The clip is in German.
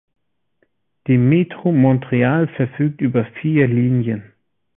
Die Metro Montreal verfügt über vier Linien.